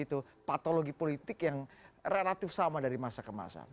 itu patologi politik yang relatif sama dari masa ke masa